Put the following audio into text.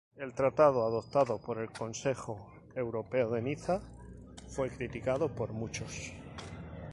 El Tratado adoptado por el Consejo Europeo de Niza fue criticado por muchos.